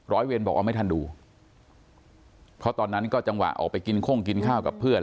เวรบอกเอาไม่ทันดูเพราะตอนนั้นก็จังหวะออกไปกินข้งกินข้าวกับเพื่อน